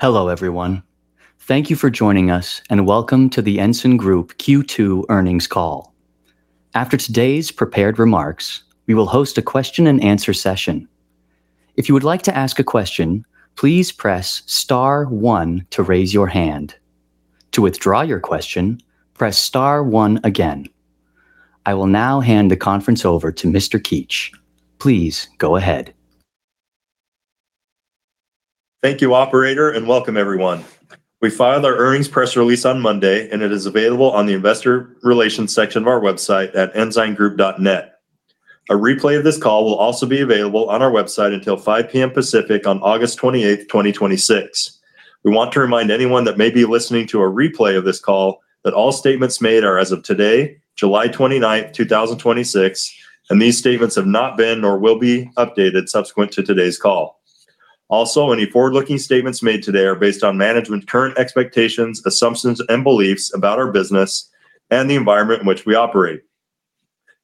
Hello, everyone. Thank you for joining us, and welcome to The Ensign Group Q2 earnings call. After today's prepared remarks, we will host a question and answer session. If you would like to ask a question, please press star one to raise your hand. To withdraw your question, press star one again. I will now hand the conference over to Mr. Keetch. Please go ahead. Thank you, Operator, and welcome everyone. We filed our earnings press release on Monday, and it is available on the Investor Relations section of our website at ensigngroup.net. A replay of this call will also be available on our website until 5:00 P.M. Pacific on August 28th, 2026. We want to remind anyone that may be listening to a replay of this call that all statements made are as of today, July 29th, 2026, and these statements have not been or will be updated subsequent to today's call. Also, any forward-looking statements made today are based on management's current expectations, assumptions, and beliefs about our business and the environment in which we operate.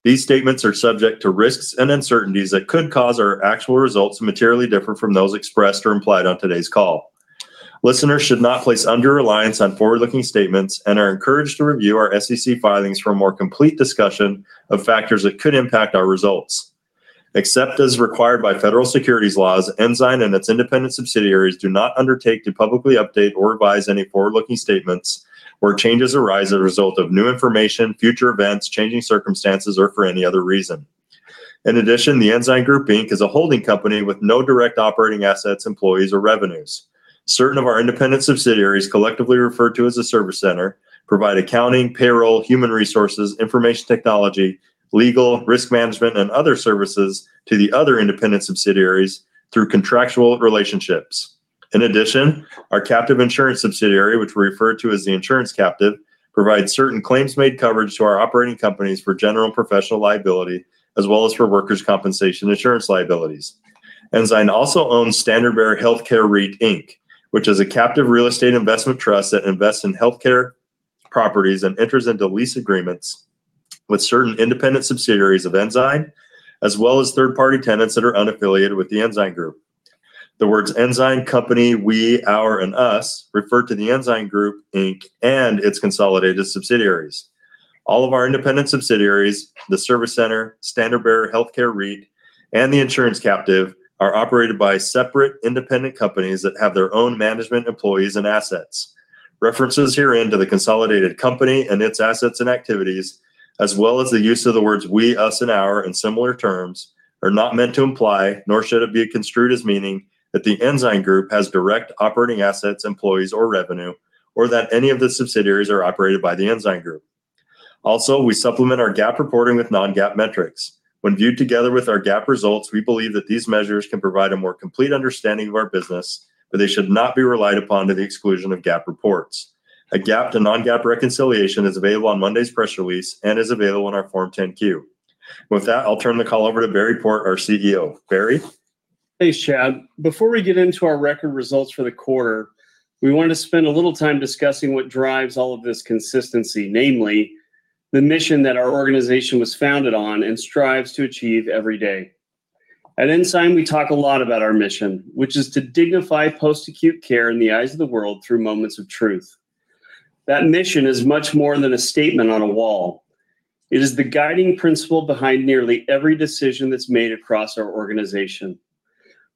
These statements are subject to risks and uncertainties that could cause our actual results to materially differ from those expressed or implied on today's call. Listeners should not place undue reliance on forward-looking statements and are encouraged to review our SEC filings for a more complete discussion of factors that could impact our results. Except as required by federal securities laws, Ensign and its independent subsidiaries do not undertake to publicly update or revise any forward-looking statements where changes arise as a result of new information, future events, changing circumstances, or for any other reason. In addition, The Ensign Group, Inc is a holding company with no direct operating assets, employees, or revenues. Certain of our independent subsidiaries, collectively referred to as a service center, provide accounting, payroll, human resources, information technology, legal, risk management, and other services to the other independent subsidiaries through contractual relationships. In addition, our captive insurance subsidiary, which we refer to as the insurance captive, provides certain claims-made coverage to our operating companies for general professional liability, as well as for workers' compensation insurance liabilities. Ensign also owns Standard Bearer Healthcare REIT, Inc which is a captive real estate investment trust that invests in healthcare properties and enters into lease agreements with certain independent subsidiaries of Ensign, as well as third-party tenants that are unaffiliated with The Ensign Group. The words Ensign company, we, our, and us refer to The Ensign Group, Inc and its consolidated subsidiaries. All of our independent subsidiaries, the service center, Standard Bearer Healthcare REIT, and the insurance captive, are operated by separate independent companies that have their own management, employees, and assets. References herein to the consolidated company and its assets and activities, as well as the use of the words we, us, and our, and similar terms, are not meant to imply, nor should it be construed as meaning, that The Ensign Group has direct operating assets, employees, or revenue, or that any of the subsidiaries are operated by The Ensign Group. Also, we supplement our GAAP reporting with non-GAAP metrics. When viewed together with our GAAP results, we believe that these measures can provide a more complete understanding of our business, but they should not be relied upon to the exclusion of GAAP reports. A GAAP to non-GAAP reconciliation is available on Monday's press release and is available on our Form 10-Q. With that, I'll turn the call over to Barry Port, our CEO. Barry? Thanks, Chad. Before we get into our record results for the quarter, we want to spend a little time discussing what drives all of this consistency, namely the mission that our organization was founded on and strives to achieve every day. At Ensign, we talk a lot about our mission, which is to dignify post-acute care in the eyes of the world through moments of truth. That mission is much more than a statement on a wall. It is the guiding principle behind nearly every decision that's made across our organization.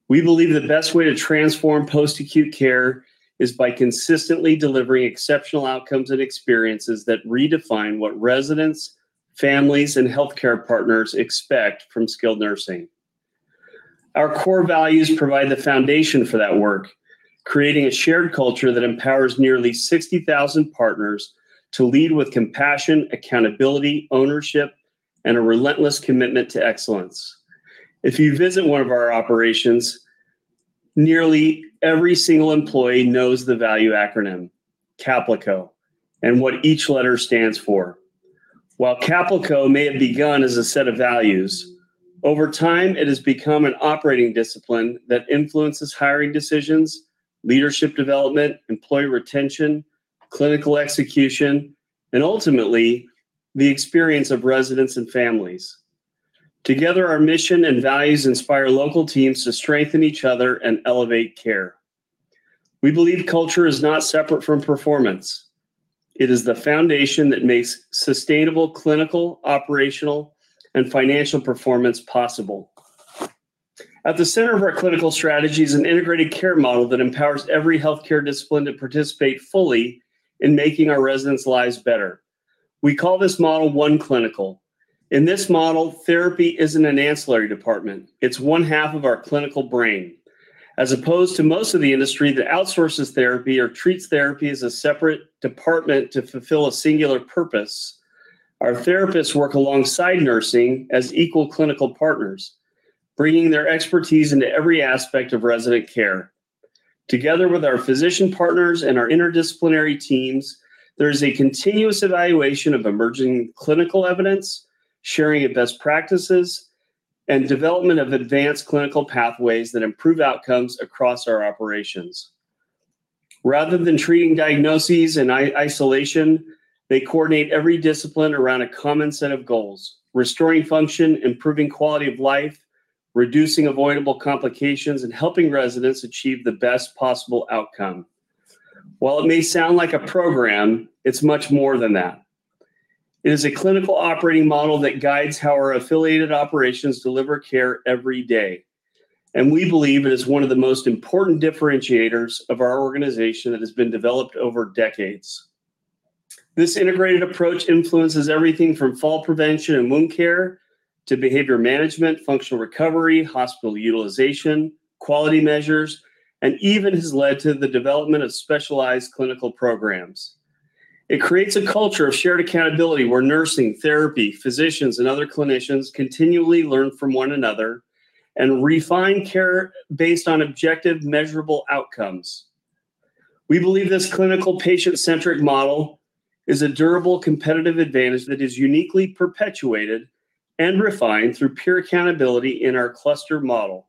We believe the best way to transform post-acute care is by consistently delivering exceptional outcomes and experiences that redefine what residents, families, and healthcare partners expect from skilled nursing. Our core values provide the foundation for that work, creating a shared culture that empowers nearly 60,000 partners to lead with compassion, accountability, ownership, and a relentless commitment to excellence. If you visit one of our operations, nearly every single employee knows the value acronym, CAPLICO, and what each letter stands for. While CAPLICO may have begun as a set of values, over time, it has become an operating discipline that influences hiring decisions, leadership development, employee retention, clinical execution, and ultimately, the experience of residents and families. Together, our mission and values inspire local teams to strengthen each other and elevate care. We believe culture is not separate from performance. It is the foundation that makes sustainable clinical, operational, and financial performance possible. At the center of our clinical strategy is an integrated care model that empowers every healthcare discipline to participate fully in making our residents' lives better. We call this model OneClinical. In this model, therapy isn't an ancillary department. It's one half of our clinical brain. As opposed to most of the industry that outsources therapy or treats therapy as a separate department to fulfill a singular purpose, our therapists work alongside nursing as equal clinical partners, bringing their expertise into every aspect of resident care. Together with our physician partners and our interdisciplinary teams, there is a continuous evaluation of emerging clinical evidence, sharing of best practices, and development of advanced clinical pathways that improve outcomes across our operations. Rather than treating diagnoses in isolation, they coordinate every discipline around a common set of goals, restoring function, improving quality of life, reducing avoidable complications and helping residents achieve the best possible outcome. While it may sound like a program, it's much more than that. It is a clinical operating model that guides how our affiliated operations deliver care every day, we believe it is one of the most important differentiators of our organization that has been developed over decades. This integrated approach influences everything from fall prevention and wound care to behavior management, functional recovery, hospital utilization, quality measures, and even has led to the development of specialized clinical programs. It creates a culture of shared accountability where nursing, therapy, physicians, and other clinicians continually learn from one another and refine care based on objective, measurable outcomes. We believe this clinical patient-centric model is a durable competitive advantage that is uniquely perpetuated and refined through peer accountability in our cluster model.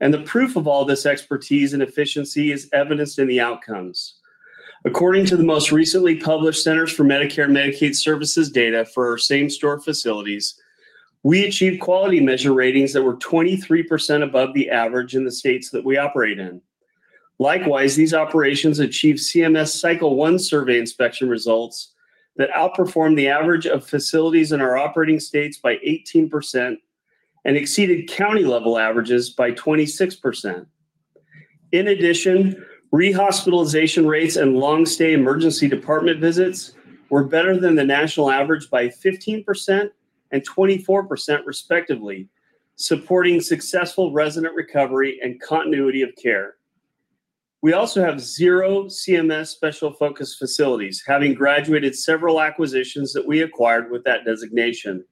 The proof of all this expertise and efficiency is evidenced in the outcomes. According to the most recently published Centers for Medicare & Medicaid Services data for our same-store facilities, we achieved quality measure ratings that were 23% above the average in the states that we operate in. Likewise, these operations achieved CMS Cycle 1 survey inspection results that outperformed the average of facilities in our operating states by 18% and exceeded county-level averages by 26%. In addition, rehospitalization rates and long-stay emergency department visits were better than the national average by 15% and 24% respectively, supporting successful resident recovery and continuity of care. We also have zero CMS Special Focus Facilities, having graduated several acquisitions that we acquired with that designation.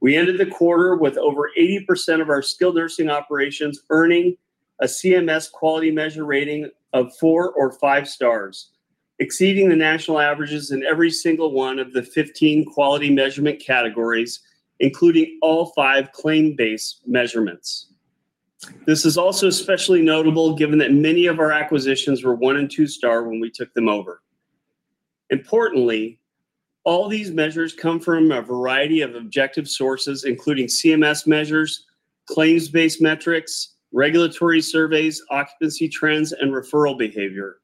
We ended the quarter with over 80% of our skilled nursing operations earning a CMS Quality Measure rating of four or five stars, exceeding the national averages in every single one of the 15 quality measurement categories, including all five claim-based measurements. This is also especially notable given that many of our acquisitions were one and two star when we took them over. Importantly, all these measures come from a variety of objective sources, including CMS measures, claims-based metrics, regulatory surveys, occupancy trends, and referral behavior.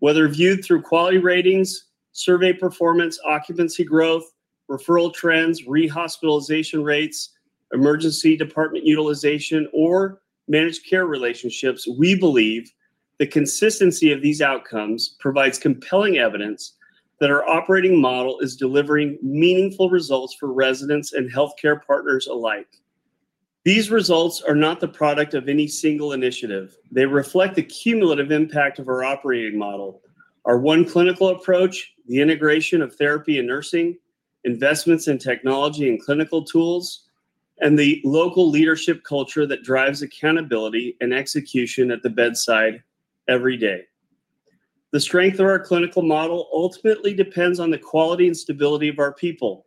Whether viewed through quality ratings, survey performance, occupancy growth, referral trends, rehospitalization rates, emergency department utilization, or managed care relationships, we believe the consistency of these outcomes provides compelling evidence that our operating model is delivering meaningful results for residents and healthcare partners alike. These results are not the product of any single initiative. They reflect the cumulative impact of our operating model, our OneClinical approach, the integration of therapy and nursing, investments in technology and clinical tools, and the local leadership culture that drives accountability and execution at the bedside every day. The strength of our clinical model ultimately depends on the quality and stability of our people.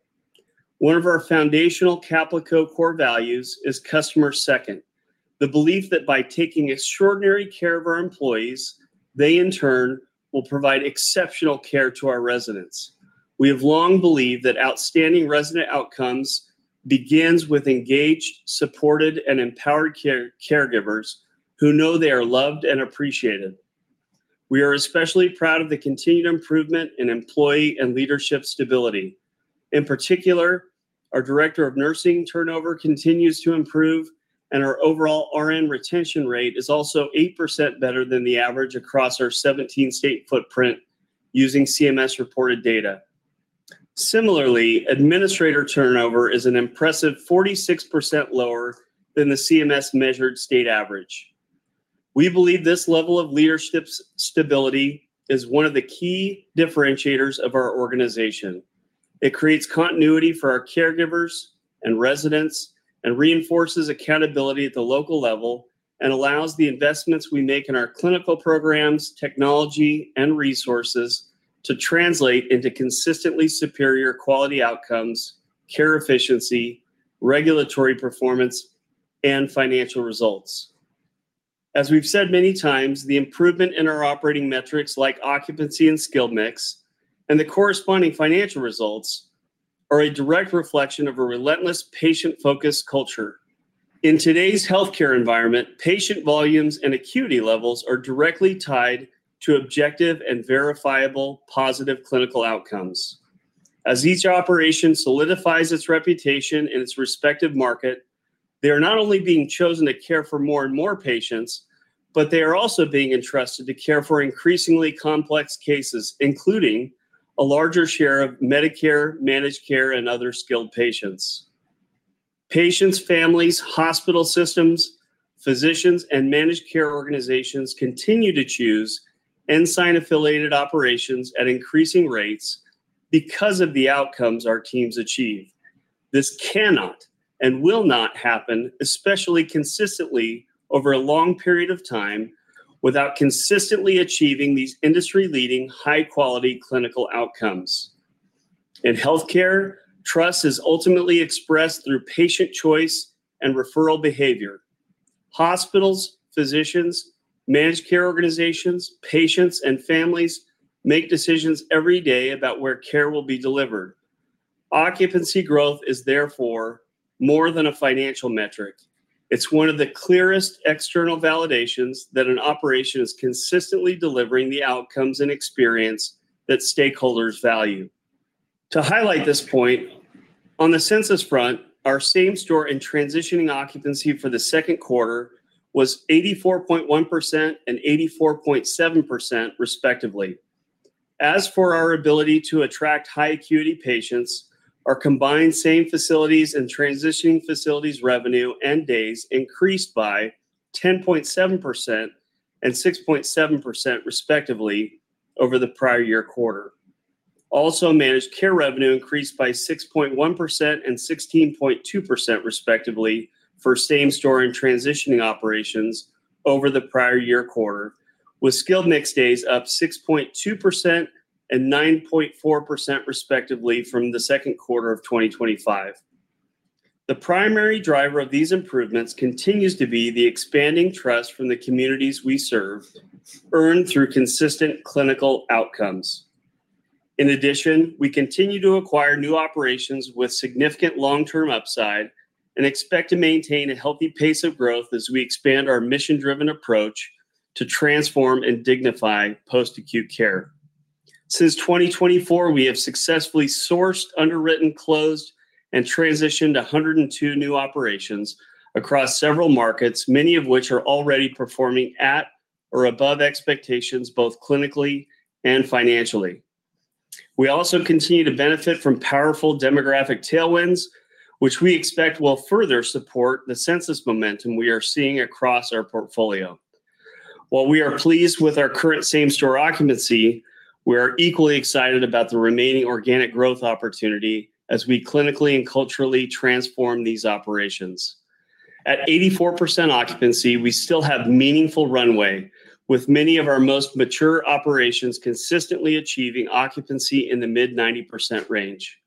One of our foundational CAPLICO core values is customer second, the belief that by taking extraordinary care of our employees, they in turn will provide exceptional care to our residents. We have long believed that outstanding resident outcomes begins with engaged, supported, and empowered caregivers who know they are loved and appreciated. We are especially proud of the continued improvement in employee and leadership stability. In particular, our Director of Nursing turnover continues to improve. Our overall RN retention rate is also 8% better than the average across our 17-state footprint using CMS-reported data. Similarly, Administrator turnover is an impressive 46% lower than the CMS-measured state average. We believe this level of leadership stability is one of the key differentiators of our organization. It creates continuity for our caregivers and residents and reinforces accountability at the local level and allows the investments we make in our clinical programs, technology, and resources to translate into consistently superior quality outcomes, care efficiency, regulatory performance, and financial results. As we've said many times, the improvement in our operating metrics like occupancy and skill mix and the corresponding financial results are a direct reflection of a relentless patient-focused culture. In today's healthcare environment, patient volumes and acuity levels are directly tied to objective and verifiable positive clinical outcomes. As each operation solidifies its reputation in its respective market, they are not only being chosen to care for more and more patients. They are also being entrusted to care for increasingly complex cases, including a larger share of Medicare, managed care, and other skilled patients. Patients' families, hospital systems, physicians, and managed care organizations continue to choose Ensign-affiliated operations at increasing rates because of the outcomes our teams achieve. This cannot and will not happen, especially consistently over a long period of time, without consistently achieving these industry-leading, high-quality clinical outcomes. In healthcare, trust is ultimately expressed through patient choice and referral behavior. Hospitals, physicians, managed care organizations, patients, and families make decisions every day about where care will be delivered. Occupancy growth is therefore more than a financial metric. It's one of the clearest external validations that an operation is consistently delivering the outcomes and experience that stakeholders value. To highlight this point, on the census front, our same-store and transitioning occupancy for the second quarter was 84.1% and 84.7%, respectively. As for our ability to attract high acuity patients, our combined same facilities and transitioning facilities revenue and days increased by 10.7% and 6.7%, respectively, over the prior year quarter. Managed care revenue increased by 6.1% and 16.2%, respectively, for same-store and transitioning operations over the prior year quarter, with skilled mix days up 6.2% and 9.4%, respectively, from the second quarter of 2025. The primary driver of these improvements continues to be the expanding trust from the communities we serve, earned through consistent clinical outcomes. In addition, we continue to acquire new operations with significant long-term upside and expect to maintain a healthy pace of growth as we expand our mission-driven approach to transform and dignify post-acute care. Since 2024, we have successfully sourced, underwritten, closed, and transitioned 102 new operations across several markets, many of which are already performing at or above expectations, both clinically and financially. We also continue to benefit from powerful demographic tailwinds, which we expect will further support the census momentum we are seeing across our portfolio. We are pleased with our current same-store occupancy, we are equally excited about the remaining organic growth opportunity as we clinically and culturally transform these operations. At 84% occupancy, we still have meaningful runway, with many of our most mature operations consistently achieving occupancy in the mid-90% range.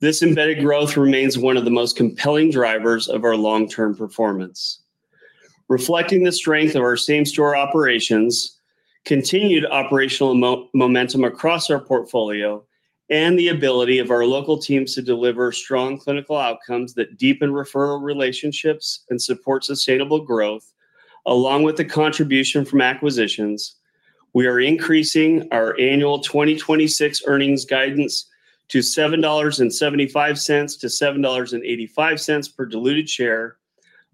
This embedded growth remains one of the most compelling drivers of our long-term performance. Reflecting the strength of our same-store operations, continued operational momentum across our portfolio, and the ability of our local teams to deliver strong clinical outcomes that deepen referral relationships and support sustainable growth, along with the contribution from acquisitions, we are increasing our annual 2026 earnings guidance to $7.75-$7.85 per diluted share,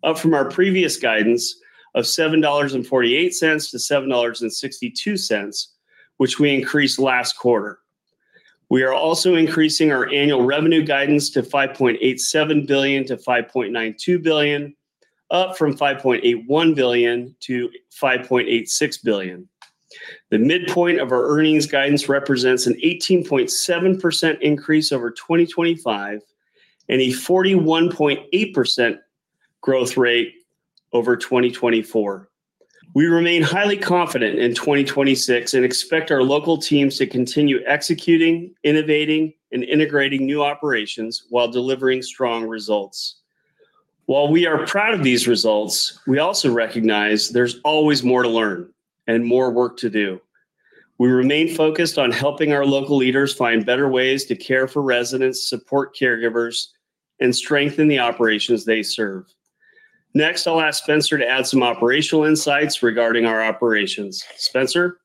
up from our previous guidance of $7.48-$7.62, which we increased last quarter. We are also increasing our annual revenue guidance to $5.87 billion-$5.92 billion, up from $5.81 billion-$5.86 billion. The midpoint of our earnings guidance represents an 18.7% increase over 2025 and a 41.8% growth rate over 2024. We remain highly confident in 2026 and expect our local teams to continue executing, innovating, and integrating new operations while delivering strong results. While we are proud of these results, we also recognize there's always more to learn and more work to do. We remain focused on helping our local leaders find better ways to care for residents, support caregivers, and strengthen the operations they serve. Next, I'll ask Spencer to add some operational insights regarding our operations. Spencer?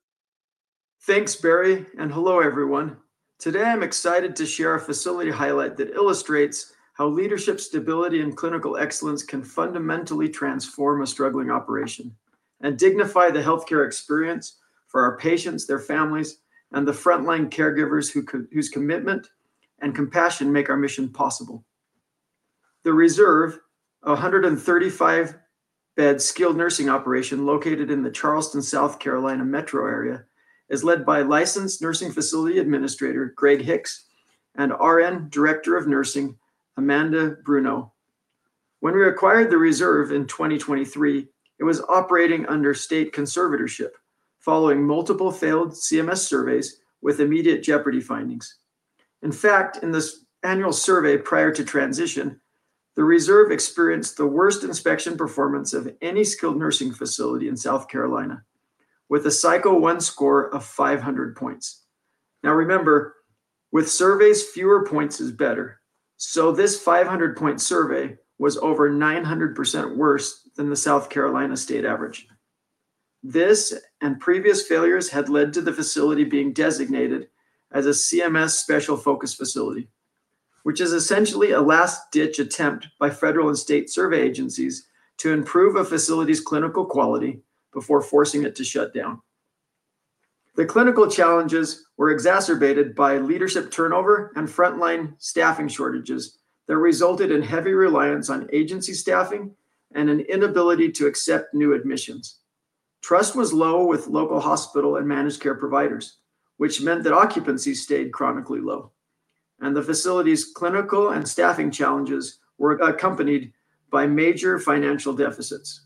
Thanks, Barry, and hello, everyone. Today, I'm excited to share a facility highlight that illustrates how leadership stability and clinical excellence can fundamentally transform a struggling operation and dignify the healthcare experience for our patients, their families, and the frontline caregivers whose commitment and compassion make our mission possible. The Reserve, a 135-bed skilled nursing operation located in the Charleston, South Carolina metro area, is led by licensed Nursing Facility Administrator, Greg Hicks and RN Director of Nursing, Amanda [Bruneau]. When we acquired The Reserve in 2023, it was operating under state conservatorship following multiple failed CMS surveys with immediate jeopardy findings. In fact, in the annual survey prior to transition, The Reserve experienced the worst inspection performance of any skilled nursing facility in South Carolina, with a Cycle 1 score of 500 points. Now remember, with surveys, fewer points is better. This 500-point survey was over 900% worse than the South Carolina state average. This and previous failures had led to the facility being designated as a CMS Special Focus Facility, which is essentially a last-ditch attempt by federal and state survey agencies to improve a facility's clinical quality before forcing it to shut down. The clinical challenges were exacerbated by leadership turnover and frontline staffing shortages that resulted in heavy reliance on agency staffing and an inability to accept new admissions. Trust was low with local hospital and managed care providers, which meant that occupancy stayed chronically low, and the facility's clinical and staffing challenges were accompanied by major financial deficits.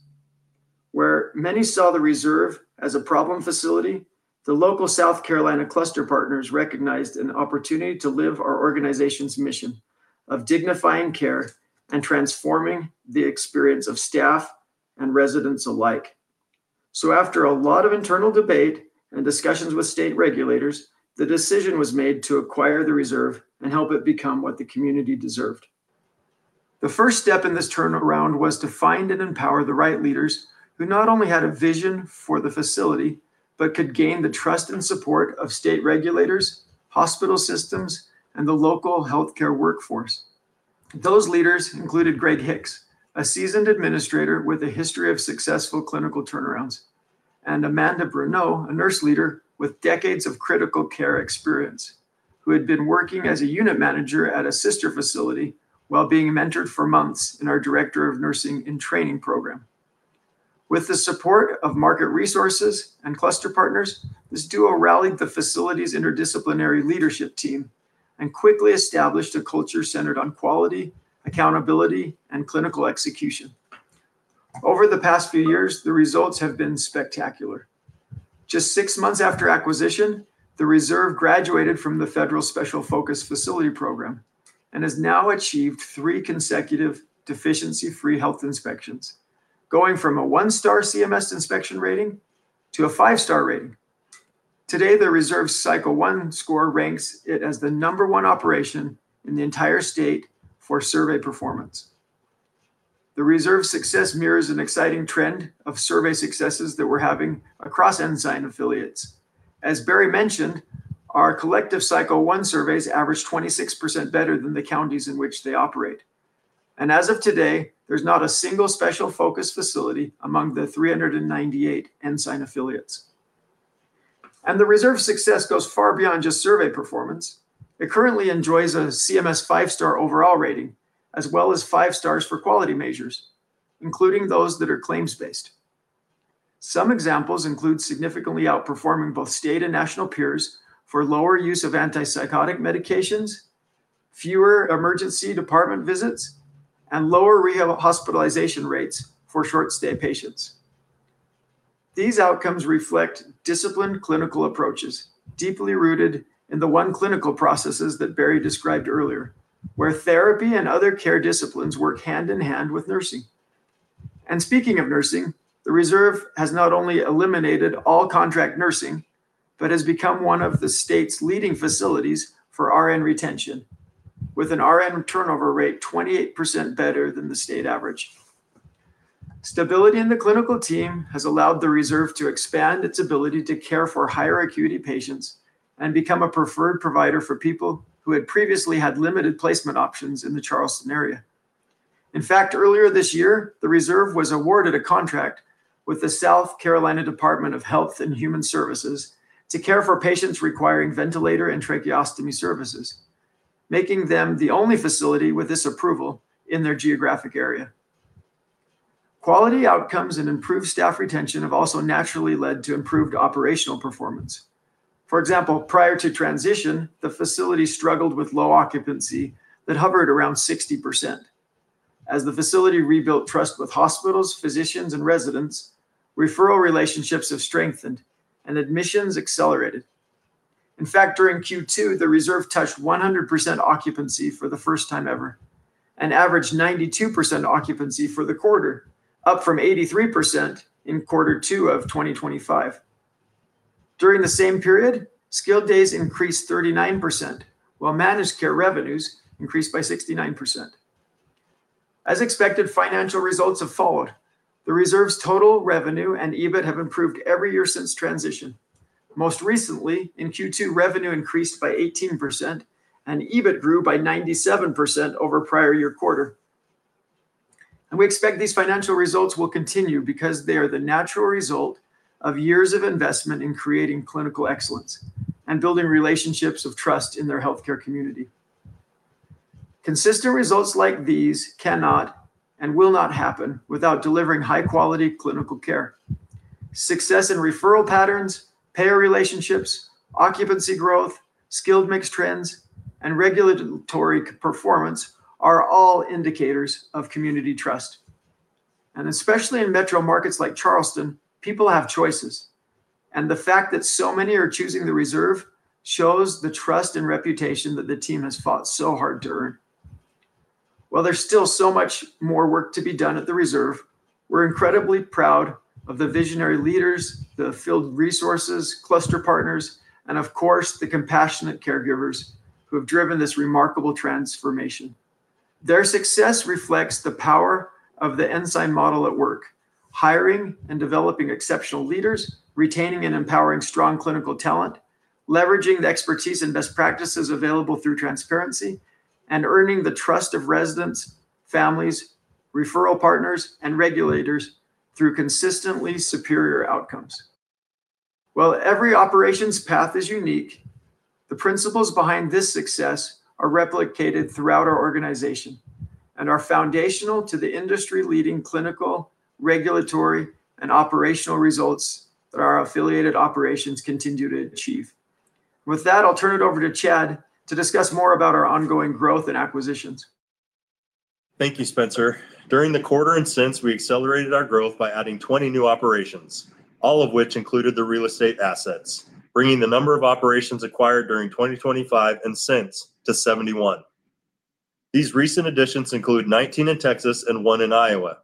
Where many saw The Reserve as a problem facility, the local South Carolina cluster partners recognized an opportunity to live our organization's mission of dignifying care and transforming the experience of staff and residents alike. After a lot of internal debate and discussions with state regulators, the decision was made to acquire The Reserve and help it become what the community deserved. The first step in this turnaround was to find and empower the right leaders who not only had a vision for the facility but could gain the trust and support of state regulators, hospital systems, and the local healthcare workforce. Those leaders included Greg Hicks, a seasoned administrator with a history of successful clinical turnarounds, and Amanda [Bruneau], a nurse leader with decades of critical care experience who had been working as a unit manager at a sister facility while being mentored for months in our Director of Nursing and Training program. With the support of market resources and cluster partners, this duo rallied the facility's interdisciplinary leadership team and quickly established a culture centered on quality, accountability, and clinical execution. Over the past few years, the results have been spectacular. Just six months after acquisition, The Reserve graduated from the Federal Special Focus Facility program and has now achieved three consecutive deficiency-free health inspections, going from a one-star CMS inspection rating to a five-star rating. Today, The Reserve's Cycle 1 score ranks it as the number one operation in the entire state for survey performance. The Reserve's success mirrors an exciting trend of survey successes that we're having across Ensign affiliates. As Barry mentioned, our collective Cycle 1 surveys average 26% better than the counties in which they operate. As of today, there's not a single Special Focus Facility among the 398 Ensign affiliates. The Reserve's success goes far beyond just survey performance. It currently enjoys a CMS five-star overall rating, as well as five stars for quality measures, including those that are claims-based. Some examples include significantly outperforming both state and national peers for lower use of antipsychotic medications, fewer emergency department visits, and lower rehospitalization rates for short-stay patients. These outcomes reflect disciplined clinical approaches, deeply rooted in the OneClinical processes that Barry described earlier, where therapy and other care disciplines work hand in hand with nursing. Speaking of nursing, The Reserve has not only eliminated all contract nursing but has become one of the state's leading facilities for RN retention, with an RN turnover rate 28% better than the state average. Stability in the clinical team has allowed The Reserve to expand its ability to care for higher acuity patients and become a preferred provider for people who had previously had limited placement options in the Charleston area. In fact, earlier this year, The Reserve was awarded a contract with the South Carolina Department of Health and Human Services to care for patients requiring ventilator and tracheostomy services, making them the only facility with this approval in their geographic area. Quality outcomes and improved staff retention have also naturally led to improved operational performance. For example, prior to transition, the facility struggled with low occupancy that hovered around 60%. As the facility rebuilt trust with hospitals, physicians, and residents, referral relationships have strengthened, and admissions accelerated. In fact, during Q2, The Reserve touched 100% occupancy for the first time ever, and averaged 92% occupancy for the quarter, up from 83% in quarter two of 2025. During the same period, skilled days increased 39%, while managed care revenues increased by 69%. As expected, financial results have followed. The Reserve's total revenue and EBIT have improved every year since transition. Most recently, in Q2, revenue increased by 18%, and EBIT grew by 97% over prior year quarter. We expect these financial results will continue because they are the natural result of years of investment in creating clinical excellence and building relationships of trust in their healthcare community. Consistent results like these cannot and will not happen without delivering high-quality clinical care. Success in referral patterns, payer relationships, occupancy growth, skilled mix trends, and regulatory performance are all indicators of community trust. Especially in metro markets like Charleston, people have choices, and the fact that so many are choosing The Reserve shows the trust and reputation that the team has fought so hard to earn. While there's still so much more work to be done at The Reserve, we're incredibly proud of the visionary leaders, the field resources, cluster partners, and of course, the compassionate caregivers who have driven this remarkable transformation. Their success reflects the power of the Ensign model at work, hiring and developing exceptional leaders, retaining and empowering strong clinical talent, leveraging the expertise and best practices available through transparency, and earning the trust of residents, families, referral partners, and regulators through consistently superior outcomes. While every operations path is unique, the principles behind this success are replicated throughout our organization and are foundational to the industry-leading clinical, regulatory, and operational results that our affiliated operations continue to achieve. With that, I'll turn it over to Chad to discuss more about our ongoing growth and acquisitions. Thank you, Spencer. During the quarter and since, we accelerated our growth by adding 20 new operations, all of which included the real estate assets, bringing the number of operations acquired during 2025 and since to 71. These recent additions include 19 in Texas and one in Iowa.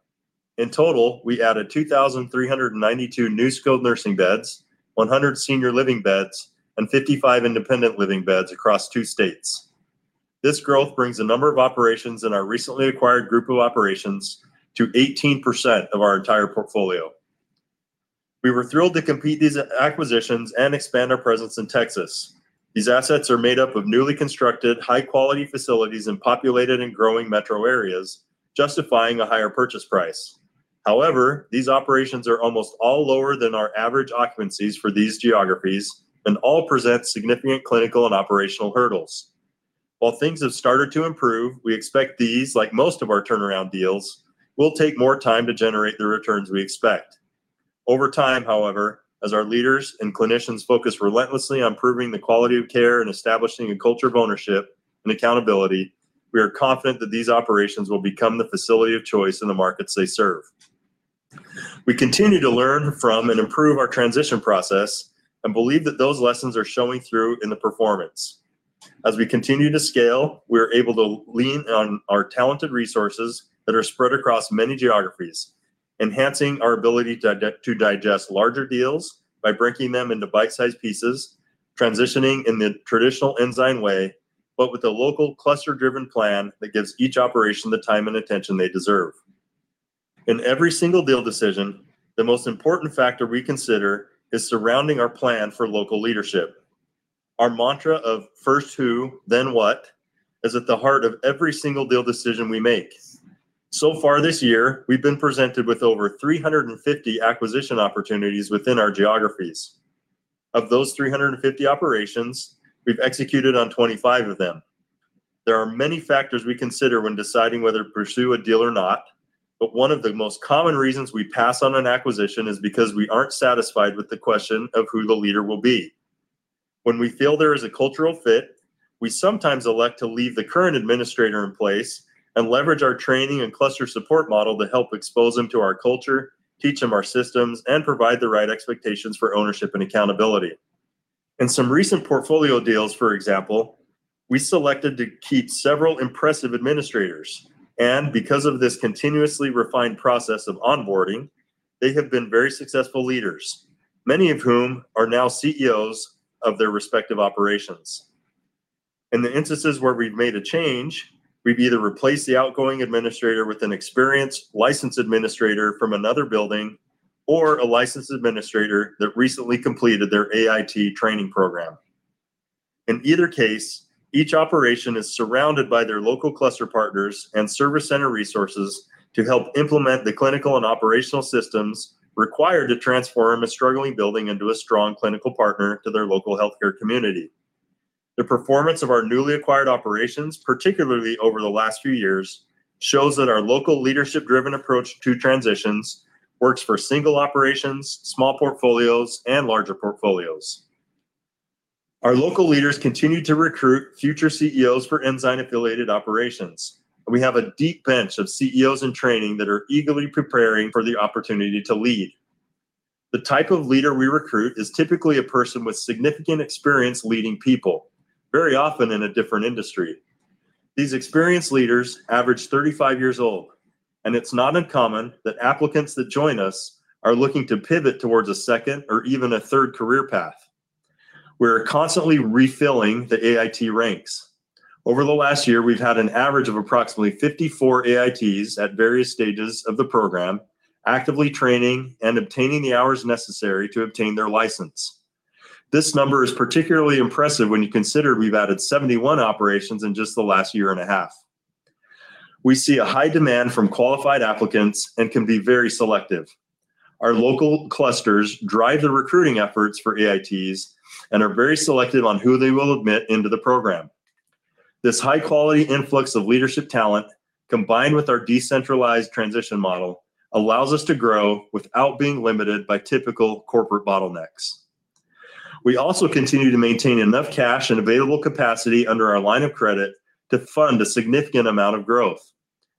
In total, we added 2,392 new skilled nursing beds, 100 senior living beds, and 55 independent living beds across two states. This growth brings the number of operations in our recently acquired group of operations to 18% of our entire portfolio. We were thrilled to complete these acquisitions and expand our presence in Texas. These assets are made up of newly constructed, high-quality facilities in populated and growing metro areas, justifying a higher purchase price. However, these operations are almost all lower than our average occupancies for these geographies and all present significant clinical and operational hurdles. While things have started to improve, we expect these, like most of our turnaround deals, will take more time to generate the returns we expect. Over time, however, as our leaders and clinicians focus relentlessly on improving the quality of care and establishing a culture of ownership and accountability, we are confident that these operations will become the facility of choice in the markets they serve. We continue to learn from and improve our transition process and believe that those lessons are showing through in the performance. As we continue to scale, we are able to lean on our talented resources that are spread across many geographies, enhancing our ability to digest larger deals by breaking them into bite-sized pieces, transitioning in the traditional Ensign way, but with a local cluster-driven plan that gives each operation the time and attention they deserve. In every single deal decision, the most important factor we consider is surrounding our plan for local leadership. Our mantra of "First Who, Then What" is at the heart of every single deal decision we make. So far this year, we've been presented with over 350 acquisition opportunities within our geographies. Of those 350 operations, we've executed on 25 of them. There are many factors we consider when deciding whether to pursue a deal or not, but one of the most common reasons we pass on an acquisition is because we aren't satisfied with the question of who the leader will be. When we feel there is a cultural fit, we sometimes elect to leave the current administrator in place and leverage our training and cluster support model to help expose them to our culture, teach them our systems, and provide the right expectations for ownership and accountability. In some recent portfolio deals, for example, we selected to keep several impressive administrators. Because of this continuously refined process of onboarding, they have been very successful leaders, many of whom are now CEOs of their respective operations. In the instances where we've made a change, we've either replaced the outgoing administrator with an experienced licensed administrator from another building or a licensed administrator that recently completed their AIT training program. In either case, each operation is surrounded by their local cluster partners and service center resources to help implement the clinical and operational systems required to transform a struggling building into a strong clinical partner to their local healthcare community. The performance of our newly acquired operations, particularly over the last few years, shows that our local leadership-driven approach to transitions works for single operations, small portfolios, and larger portfolios. Our local leaders continue to recruit future CEOs for Ensign-affiliated operations. We have a deep bench of CEOs in training that are eagerly preparing for the opportunity to lead. The type of leader we recruit is typically a person with significant experience leading people, very often in a different industry. These experienced leaders average 35 years old. It's not uncommon that applicants that join us are looking to pivot towards a second or even a third career path. We are constantly refilling the AIT ranks. Over the last year, we've had an average of approximately 54 AITs at various stages of the program, actively training and obtaining the hours necessary to obtain their license. This number is particularly impressive when you consider we've added 71 operations in just the last year and a half. We see a high demand from qualified applicants and can be very selective. Our local clusters drive the recruiting efforts for AITs and are very selective on who they will admit into the program. This high-quality influx of leadership talent, combined with our decentralized transition model, allows us to grow without being limited by typical corporate bottlenecks. We also continue to maintain enough cash and available capacity under our line of credit to fund a significant amount of growth,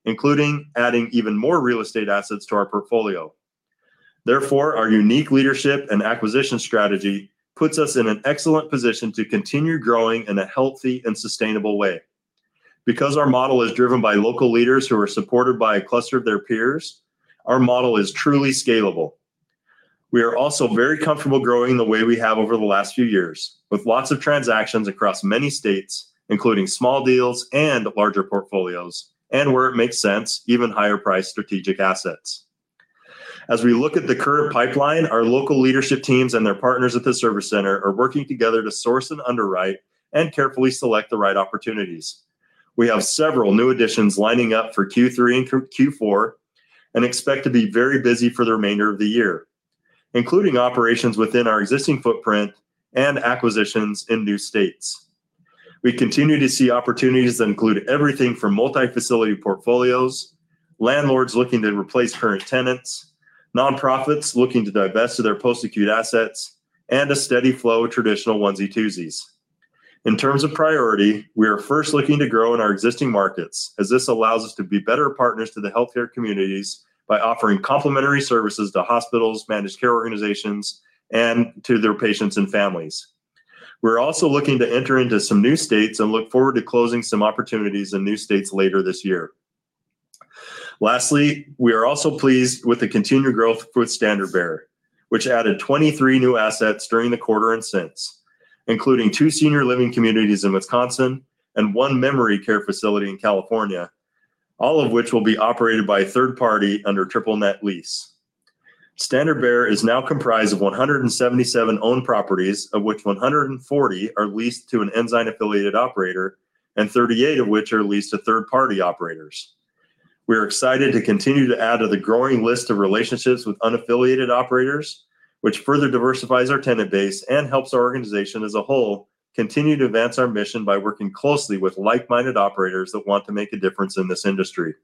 including adding even more real estate assets to our portfolio. Therefore, our unique leadership and acquisition strategy puts us in an excellent position to continue growing in a healthy and sustainable way. Because our model is driven by local leaders who are supported by a cluster of their peers, our model is truly scalable. We are also very comfortable growing the way we have over the last few years, with lots of transactions across many states, including small deals and larger portfolios, and where it makes sense, even higher-priced strategic assets. As we look at the current pipeline, our local leadership teams and their partners at the service center are working together to source and underwrite and carefully select the right opportunities. We have several new additions lining up for Q3 and Q4 and expect to be very busy for the remainder of the year, including operations within our existing footprint and acquisitions in new states. We continue to see opportunities that include everything from multi-facility portfolios, landlords looking to replace current tenants, nonprofits looking to divest of their post-acute assets, and a steady flow of traditional onesie-twosies. In terms of priority, we are first looking to grow in our existing markets, as this allows us to be better partners to the healthcare communities by offering complementary services to hospitals, managed care organizations, and to their patients and families. We are also looking to entering [some of these] states and look forward to closing some opportunities in these states later this year. Lastly, we are also pleased with the continued growth with Standard Bearer, which added 23 new assets during the quarter and since, including two senior living communities in Wisconsin and one memory care facility in California, all of which will be operated by a third party under triple net lease. Standard Bearer is now comprised of 177 owned properties, of which 140 are leased to an Ensign affiliated operator, and 38 of which are leased to third party operators. We are excited to continue to add to the growing list of relationships with unaffiliated operators, which further diversifies our tenant base and helps our organization as a whole continue to advance our mission by working closely with like-minded operators that want to make a difference in this industry.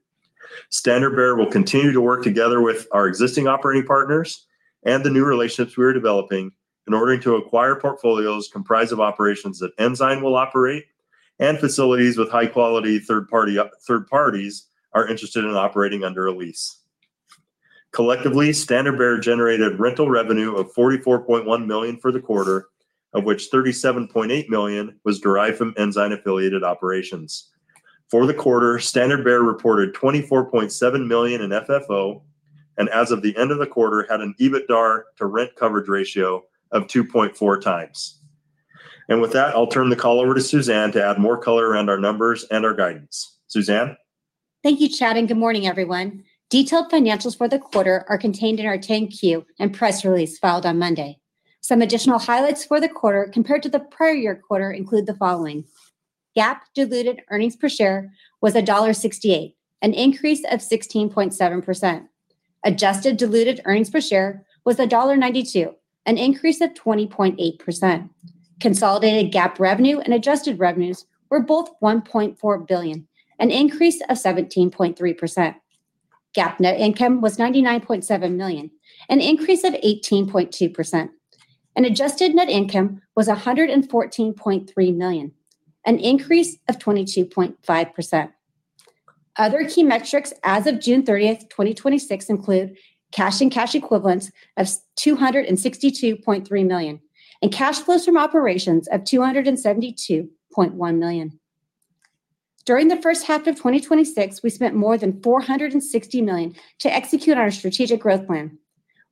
Standard Bearer will continue to work together with our existing operating partners and the new relationships we are developing in order to acquire portfolios comprised of operations that Ensign will operate, and facilities with high quality third parties are interested in operating under a lease. Collectively, Standard Bearer generated rental revenue of $44.1 million for the quarter, of which $37.8 million was derived from Ensign affiliated operations. For the quarter, Standard Bearer reported $24.7 million in FFO, and as of the end of the quarter, had an EBITDAR to rent coverage ratio of 2.4x. With that, I'll turn the call over to Suzanne to add more color around our numbers and our guidance. Suzanne? Thank you, Chad, and good morning, everyone. Detailed financials for the quarter are contained in our 10-Q and press release filed on Monday. Some additional highlights for the quarter compared to the prior year quarter include the following. GAAP diluted earnings per share was $1.68, an increase of 16.7%. Adjusted diluted earnings per share was $1.92, an increase of 20.8%. Consolidated GAAP revenue and adjusted revenues were both $1.4 billion, an increase of 17.3%. GAAP net income was $99.7 million, an increase of 18.2%. Adjusted net income was $114.3 million, an increase of 22.5%. Other key metrics as of June 30th, 2026 include cash and cash equivalents of $262.3 million, and cash flows from operations of $272.1 million. During the first half of 2026, we spent more than $460 million to execute our strategic growth plan.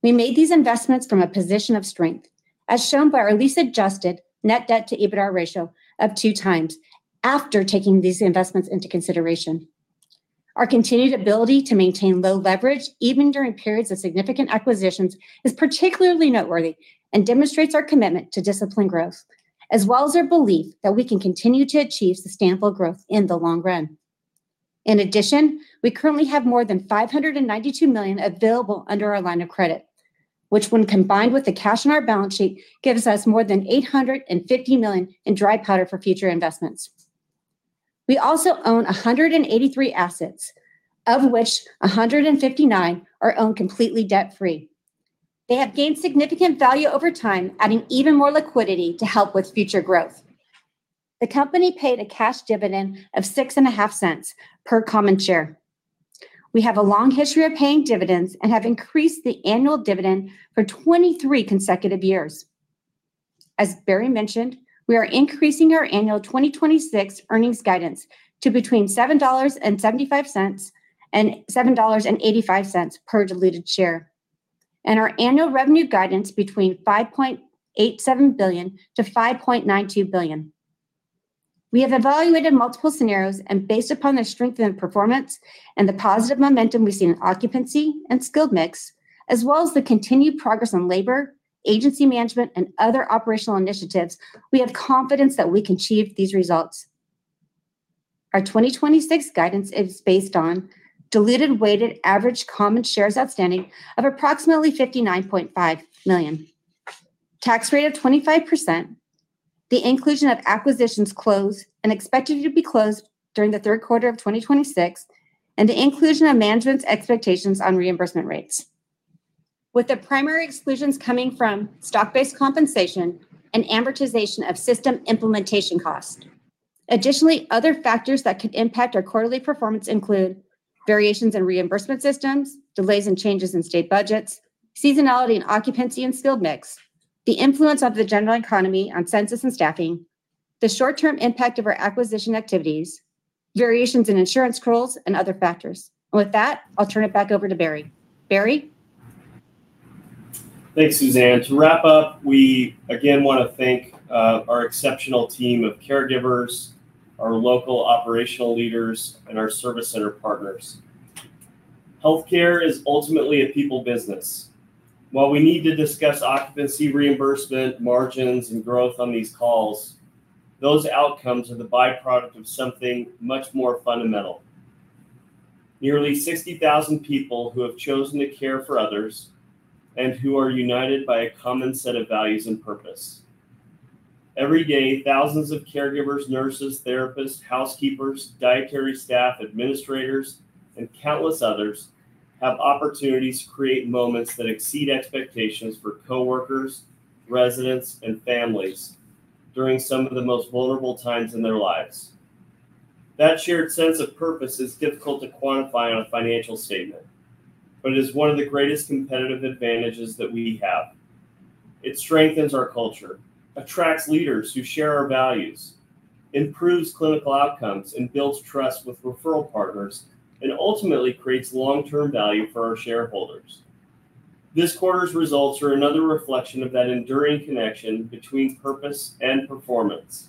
We made these investments from a position of strength, as shown by our lease-adjusted net debt to EBITDA ratio of 2x after taking these investments into consideration. Our continued ability to maintain low leverage, even during periods of significant acquisitions, is particularly noteworthy and demonstrates our commitment to disciplined growth, as well as our belief that we can continue to achieve sustainable growth in the long run. In addition, we currently have more than $592 million available under our line of credit, which when combined with the cash in our balance sheet, gives us more than $850 million in dry powder for future investments. We also own 183 assets, of which 159 are owned completely debt-free. They have gained significant value over time, adding even more liquidity to help with future growth. The company paid a cash dividend of $0.065 per common share. We have a long history of paying dividends and have increased the annual dividend for 23 consecutive years. As Barry mentioned, we are increasing our annual 2026 earnings guidance to between $7.75 and $7.85 per diluted share, and our annual revenue guidance between $5.87 billion-$5.92 billion. We have evaluated multiple scenarios and based upon their strength and performance and the positive momentum we've seen in occupancy and skilled mix, as well as the continued progress on labor, agency management, and other operational initiatives, we have confidence that we can achieve these results. Our 2026 guidance is based on diluted weighted average common shares outstanding of approximately 59.5 million. Tax rate of 25%. The inclusion of acquisitions closed and expected to be closed during the third quarter of 2026, and the inclusion of management's expectations on reimbursement rates. With the primary exclusions coming from stock-based compensation and amortization of system implementation cost. Additionally, other factors that could impact our quarterly performance include variations in reimbursement systems, delays and changes in state budgets, seasonality and occupancy in skilled mix, the influence of the general economy on census and staffing, the short-term impact of our acquisition activities, variations in insurance rules and other factors. With that, I'll turn it back over to Barry. Barry? Thanks, Suzanne. To wrap up, we again want to thank our exceptional team of caregivers, our local operational leaders, and our service center partners. Healthcare is ultimately a people business. While we need to discuss occupancy, reimbursement, margins, and growth on these calls, those outcomes are the byproduct of something much more fundamental. Nearly 60,000 people who have chosen to care for others and who are united by a common set of values and purpose. Every day, thousands of caregivers, nurses, therapists, housekeepers, dietary staff, administrators, and countless others Have opportunities to create moments that exceed expectations for coworkers, residents, and families during some of the most vulnerable times in their lives. That shared sense of purpose is difficult to quantify on a financial statement, but it is one of the greatest competitive advantages that we have. It strengthens our culture, attracts leaders who share our values, improves clinical outcomes, and builds trust with referral partners, and ultimately creates long-term value for our shareholders. This quarter's results are another reflection of that enduring connection between purpose and performance.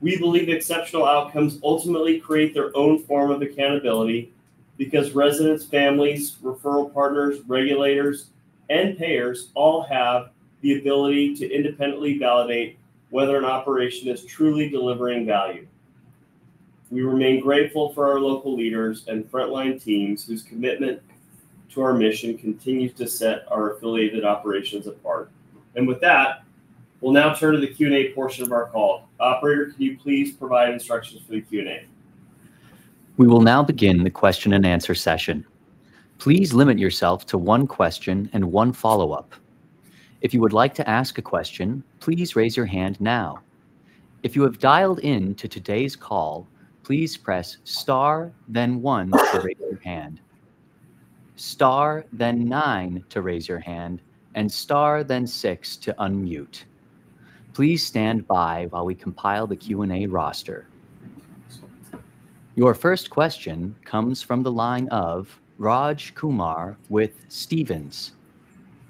We believe exceptional outcomes ultimately create their own form of accountability because residents, families, referral partners, regulators, and payers all have the ability to independently validate whether an operation is truly delivering value. We remain grateful for our local leaders and frontline teams whose commitment to our mission continues to set our affiliated operations apart. With that, we'll now turn to the Q&A portion of our call. Operator, can you please provide instructions for the Q&A? We will now begin the question and answer session. Please limit yourself to one question and one follow-up. If you would like to ask a question, please raise your hand now. If you have dialed in to today's call, please press star then one to raise your hand. Star then nine to raise your hand, and star then six to unmute. Please stand by while we compile the Q&A roster. Your first question comes from the line of Raj Kumar with Stephens.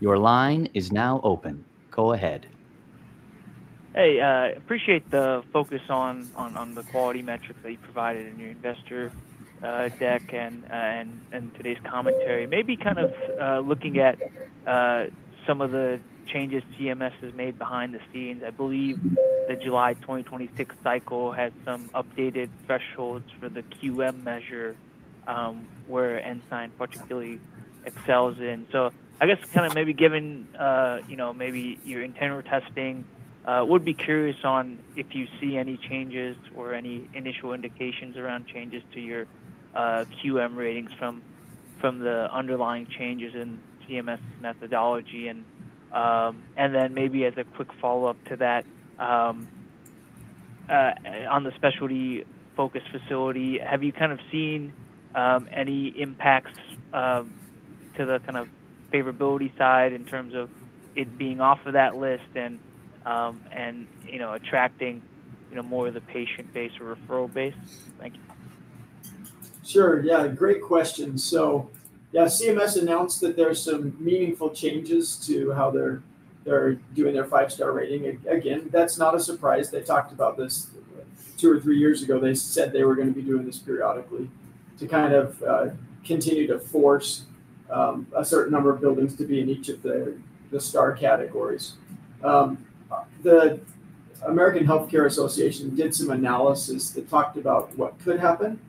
Your line is now open. Go ahead. Hey, appreciate the focus on the quality metrics that you provided in your investor deck and today's commentary. Maybe kind of looking at some of the changes CMS has made behind the scenes. I believe the July 2026 cycle had some updated thresholds for the QM measure, where Ensign particularly excels in. I guess, maybe given your internal testing, would be curious on if you see any changes or any initial indications around changes to your QM ratings from the underlying changes in CMS methodology. And then maybe as a quick follow-up to that, on the Special Focus Facility, have you seen any impacts to the favorability side in terms of it being off of that list and attracting more of the patient base or referral base? Thank you. Sure. Yeah, great question. Yeah, CMS announced that there's some meaningful changes to how they're doing their five-star rating. Again, that's not a surprise. They talked about this two or three years ago. They said they were going to be doing this periodically to kind of continue to force a certain number of buildings to be in each of the star categories. The American Health Care Association did some analysis that talked about what could happen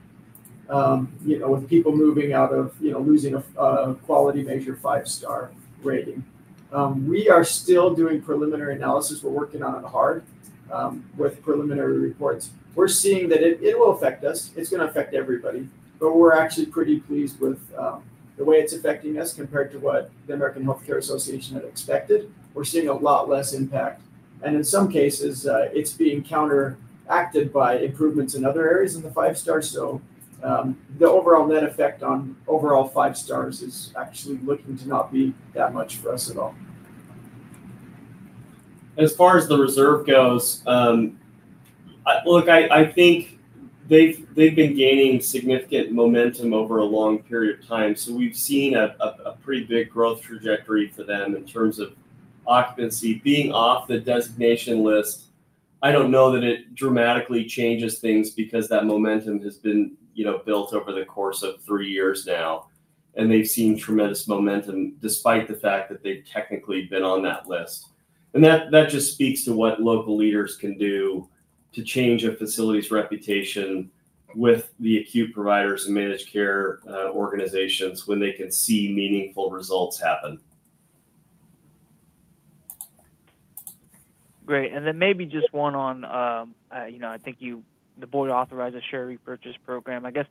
with people moving out of losing a quality measure five-star rating. We are still doing preliminary analysis. We're working on it hard with preliminary reports. We're seeing that it will affect us. It's going to affect everybody. We're actually pretty pleased with the way it's affecting us compared to what the American Health Care Association had expected. We're seeing a lot less impact. In some cases, it's being counteracted by improvements in other areas in the five stars. The overall net effect on overall five stars is actually looking to not be that much for us at all. As far as The Reserve goes, look, I think they've been gaining significant momentum over a long period of time. We've seen a pretty big growth trajectory for them in terms of occupancy. Being off the designation list, I don't know that it dramatically changes things because that momentum has been built over the course of three years now, and they've seen tremendous momentum despite the fact that they've technically been on that list. That just speaks to what local leaders can do to change a facility's reputation with the acute providers and managed care organizations when they can see meaningful results happen. Great. Maybe just one on, I think the Board authorized a share repurchase program. I guess,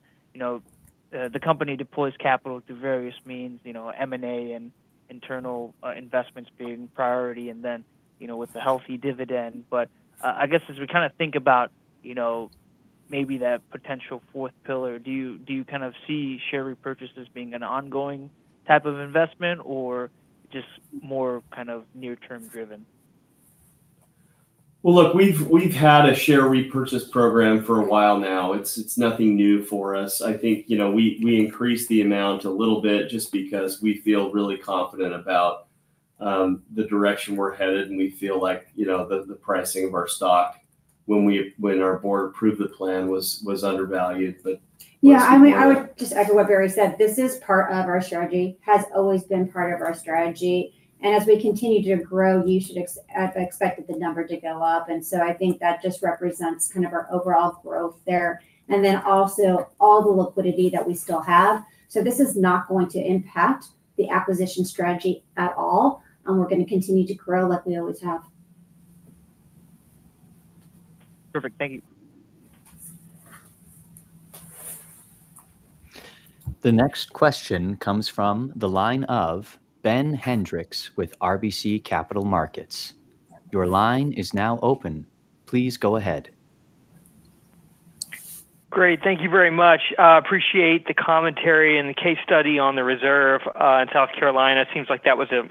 the company deploys capital through various means, M&A and internal investments being priority, then, with the healthy dividend. I guess as we think about maybe that potential fourth pillar, do you see share repurchases being an ongoing type of investment or just more near-term driven? Well, look, we've had a share repurchase program for a while now. It's nothing new for us. I think, we increased the amount a little bit just because we feel really confident about the direction we're headed, and we feel like the pricing of our stock when our Board approved the plan was undervalued. Yeah. I would just echo what Barry said. This is part of our strategy, has always been part of our strategy. As we continue to grow, you should expect the number to go up. I think that just represents our overall growth there. Also all the liquidity that we still have. This is not going to impact the acquisition strategy at all, and we're going to continue to grow like we always have. Perfect. Thank you. The next question comes from the line of Ben Hendrix with RBC Capital Markets. Your line is now open. Please go ahead. Great. Thank you very much. Appreciate the commentary and the case study on The Reserve, in South Carolina. Seems like that was a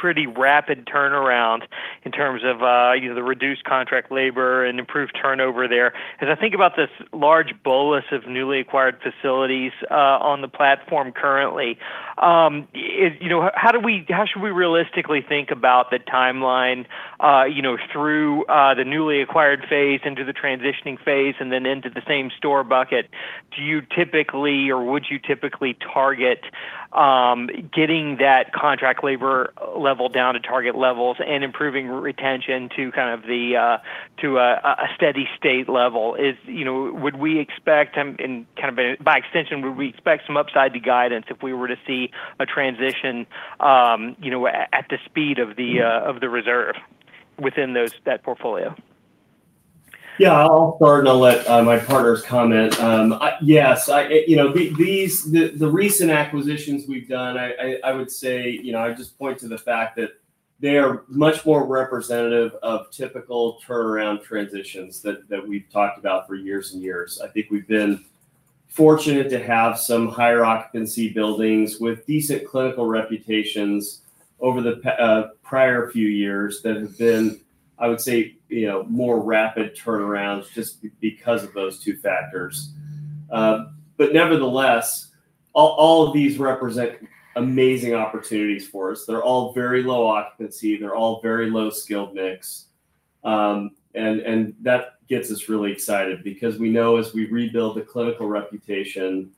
pretty rapid turnaround in terms of the reduced contract labor and improved turnover there. As I think about this large bolus of newly acquired facilities on the platform currently, how should we realistically think about the timeline through the newly acquired phase, into the transitioning phase, and then into the same store bucket? Do you typically, or would you typically target getting that contract labor level down to target levels and improving retention to a steady state level? By extension, would we expect some upside to guidance if we were to see a transition at the speed of The Reserve within that portfolio? I'll start and I'll let my partners comment. Yes, the recent acquisitions we've done, I would say, I'd just point to the fact that they are much more representative of typical turnaround transitions that we've talked about for years and years. I think we've been fortunate to have some higher occupancy buildings with decent clinical reputations over the prior few years that have been, I would say, more rapid turnarounds just because of those two factors. Nevertheless, all of these represent amazing opportunities for us. They're all very low occupancy. They're all very low skilled mix. That gets us really excited because we know as we rebuild the clinical reputation,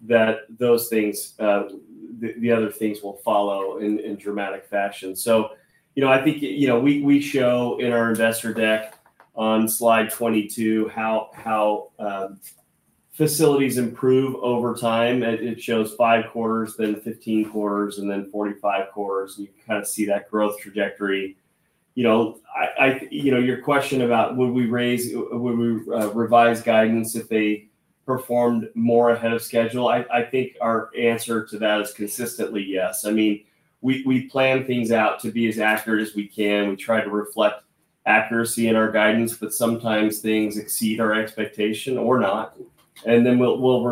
that the other things will follow in dramatic fashion. I think, we show in our investor deck on slide 22 how facilities improve over time. It shows five quarters, then 15 quarters, then 45 quarters, you kind of see that growth trajectory. Your question about would we revise guidance if they performed more ahead of schedule, I think our answer to that is consistently yes. We plan things out to be as accurate as we can. We try to reflect accuracy in our guidance, sometimes things exceed our expectation or not, then we'll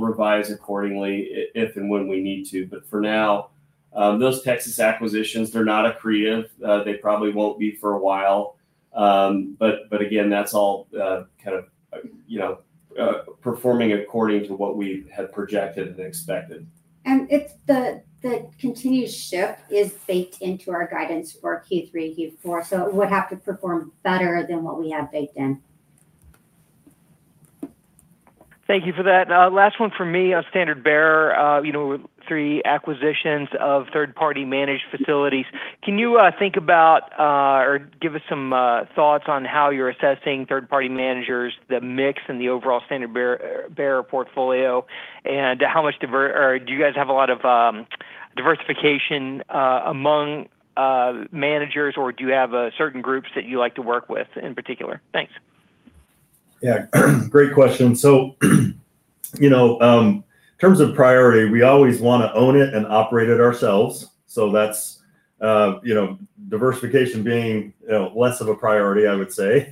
revise accordingly if and when we need to. For now, those Texas acquisitions, they're not accretive. They probably won't be for a while. Again, that's all performing according to what we had projected and expected. The continued shift is baked into our guidance for Q3, Q4, so it would have to perform better than what we have baked in. Thank you for that. Last one from me on Standard Bearer, with three acquisitions of third-party managed facilities. Can you think about, or give us some thoughts on how you're assessing third-party managers, the mix in the overall Standard Bearer portfolio, and do you guys have a lot of diversification among managers, or do you have certain groups that you like to work with in particular? Thanks. Great question. In terms of priority, we always want to own it and operate it ourselves. That's diversification being less of a priority, I would say,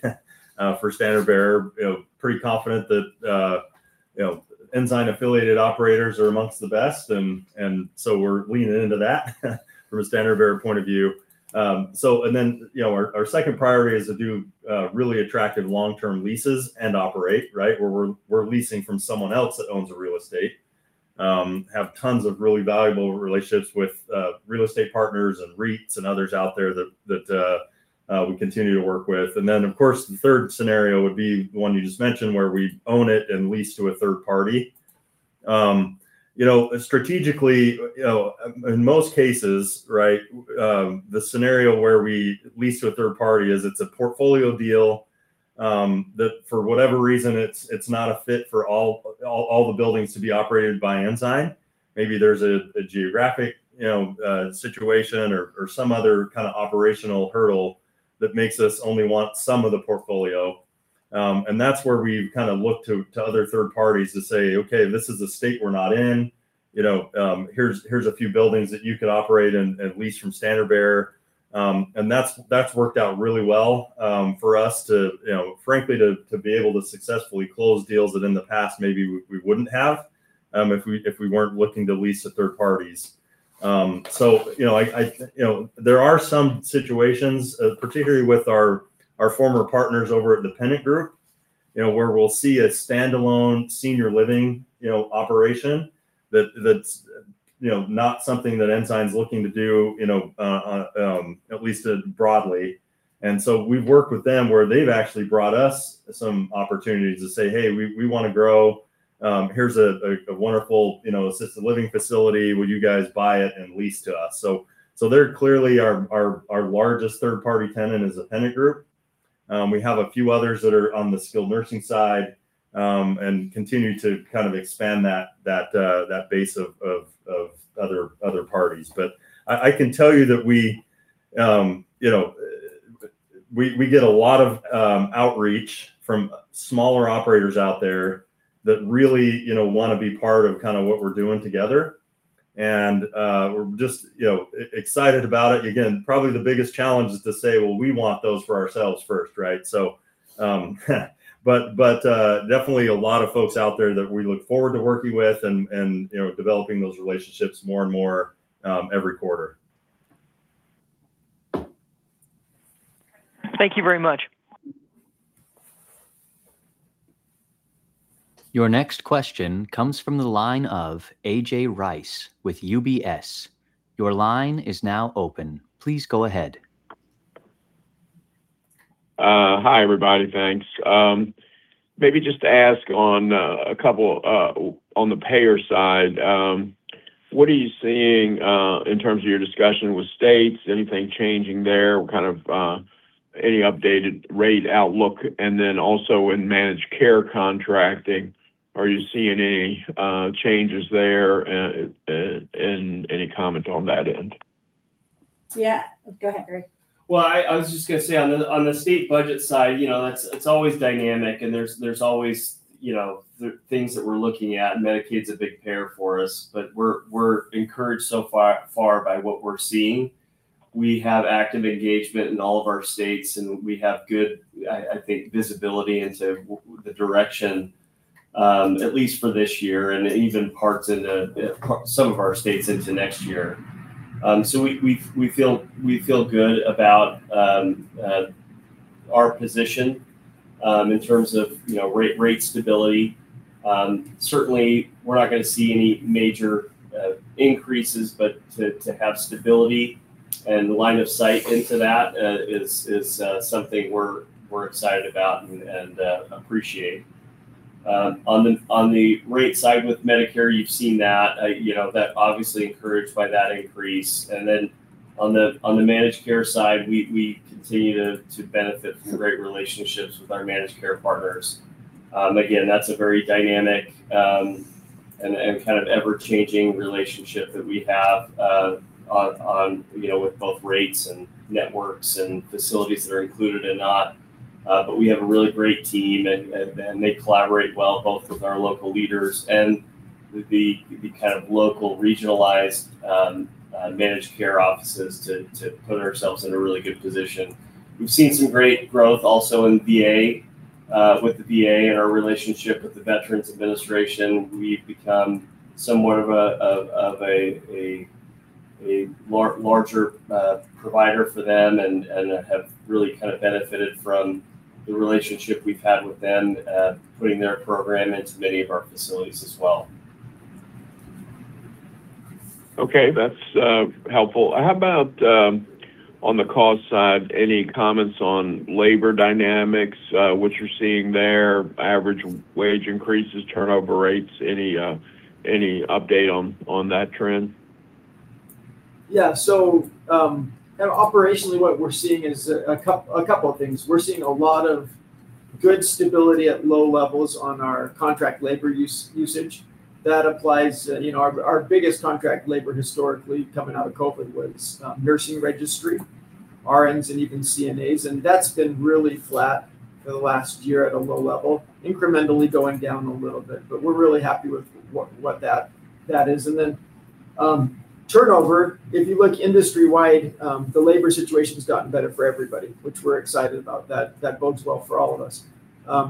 for Standard Bearer. Pretty confident that Ensign-affiliated operators are amongst the best and so we're leaning into that from a Standard Bearer point of view. Then, our second priority is to do really attractive long-term leases and operate, where we're leasing from someone else that owns the real estate. Have tons of really valuable relationships with real estate partners and REITs and others out there that we continue to work with. Then, of course, the third scenario would be the one you just mentioned where we own it and lease to a third party. Strategically, in most cases, the scenario where we lease to a third party is it's a portfolio deal, that for whatever reason, it's not a fit for all the buildings to be operated by Ensign. Maybe there's a geographic situation or some other kind of operational hurdle that makes us only want some of the portfolio. That's where we've kind of looked to other third parties to say, "Okay, this is a state we're not in. Here's a few buildings that you could operate and lease from Standard Bearer." That's worked out really well for us, frankly, to be able to successfully close deals that in the past maybe we wouldn't have, if we weren't looking to lease to third parties. There are some situations, particularly with our former partners over at The Pennant Group, where we'll see a standalone senior living operation that's not something that Ensign's looking to do, at least broadly. We've worked with them where they've actually brought us some opportunities to say, "Hey, we want to grow. Here's a wonderful assisted living facility. Would you guys buy it and lease to us?" They're clearly our largest third-party tenant is The Pennant Group. We have a few others that are on the skilled nursing side and continue to expand that base of other parties. I can tell you that we get a lot of outreach from smaller operators out there that really want to be part of what we're doing together. We're just excited about it. Again, probably the biggest challenge is to say, "Well, we want those for ourselves first," right? Definitely a lot of folks out there that we look forward to working with and developing those relationships more and more every quarter. Thank you very much. Your next question comes from the line of A.J. Rice with UBS. Your line is now open. Please go ahead. Hi, everybody. Thanks. Maybe just to ask on the payer side, what are you seeing in terms of your discussion with states? Anything changing there? Any updated rate outlook? Also in managed care contracting, are you seeing any changes there, and any comment on that end? Yeah. Go ahead, Barry. Well, I was just going to say on the state budget side, it's always dynamic and there's always things that we're looking at, and Medicaid's a big payer for us. We're encouraged so far by what we're seeing. We have active engagement in all of our states, and we have good, I think, visibility into the direction, at least for this year, and even some of our states into next year. We feel good about our position, in terms of rate stability. Certainly, we're not going to see any major increases, but to have stability and the line of sight into that is something we're excited about and appreciate. On the rate side with Medicare, you've seen that. Obviously encouraged by that increase. On the managed care side, we continue to benefit from great relationships with our managed care partners. Again, that's a very dynamic and kind of ever-changing relationship that we have with both rates and networks and facilities that are included and not. We have a really great team, and they collaborate well, both with our local leaders and with the local regionalized managed care offices to put ourselves in a really good position. We've seen some great growth also in VA, with the VA and our relationship with the Veterans Administration. We've become somewhat of a larger provider for them and have really benefited from the relationship we've had with them, putting their program into many of our facilities as well. Okay. That's helpful. How about on the cost side, any comments on labor dynamics, what you're seeing there, average wage increases, turnover rates? Any update on that trend? Yeah. Operationally what we're seeing is a couple of things. We're seeing a lot of good stability at low levels on our contract labor usage. That applies, our biggest contract labor historically coming out of COVID was nursing registry, RNs and even CNAs, and that's been really flat for the last year at a low level, incrementally going down a little bit. We're really happy with what that is. Turnover, if you look industry-wide, the labor situation's gotten better for everybody, which we're excited about. That bodes well for all of us.